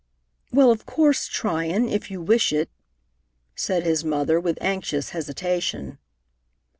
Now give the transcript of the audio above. "Well, of course, Tryon, if you wish it " said his mother, with anxious hesitation.